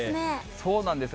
そうなんですよ。